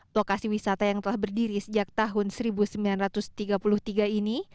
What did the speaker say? lokasi wisata yang telah berdiri sejak tahun seribu sembilan ratus tiga puluh tiga ini